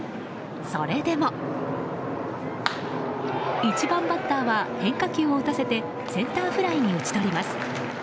それでも、１番バッターは変化球を打たせてセンターフライに打ち取ります。